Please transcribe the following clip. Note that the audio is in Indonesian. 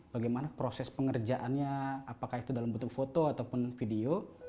bagaimana proses pengerjaannya apakah itu dalam bentuk foto ataupun video